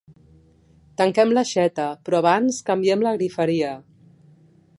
Tanquem l'aixeta, però abans canviem la “griferia”.